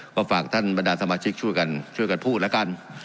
ก็ฝากท่านบรรดาสมาชิกช่วยกันช่วยกันพูดแล้วกัน